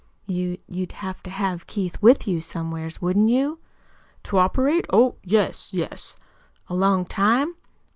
"You you'd have to have Keith with you, somewheres, wouldn't you?" "To operate? Oh, yes, yes." "A long time?"